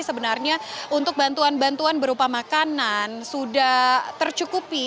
sebenarnya untuk bantuan bantuan berupa makanan sudah tercukupi